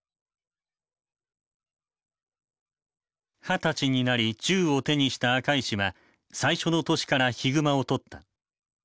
二十歳になり銃を手にした赤石は最初の年からヒグマを捕った。